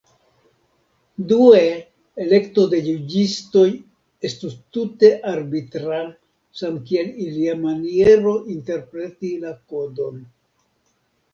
Due, elekto de juĝistoj estus tute arbitra, samkiel ilia maniero interpreti la kodon.